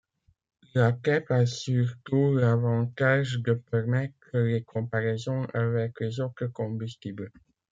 La tep a surtout l'avantage de permettre les comparaisons avec les autres combustibles.